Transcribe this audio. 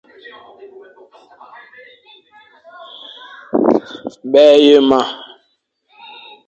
Bèye ma.